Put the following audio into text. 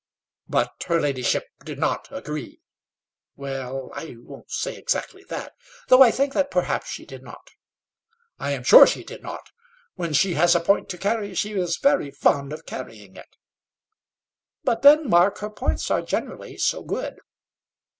"But her ladyship did not agree?" "Well, I won't exactly say that; though I think that perhaps she did not." "I am sure she did not. When she has a point to carry, she is very fond of carrying it." "But then, Mark, her points are generally so good."